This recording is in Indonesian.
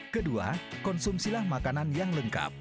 kedua konsumsilah makanan yang lengkap